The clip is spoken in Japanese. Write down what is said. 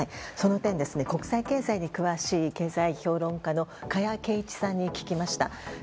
その点を国際経済に詳しい経済評論家の加谷珪一さんに聞きました。